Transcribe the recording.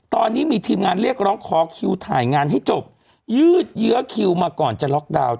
ตอนนี้มีทีมงานเรียกร้องขอคิวถ่ายงานให้จบยืดเยื้อคิวมาก่อนจะล็อกดาวน์